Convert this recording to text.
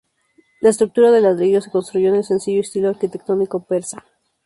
La estructura de ladrillo se construyó en el sencillo estilo arquitectónico persa.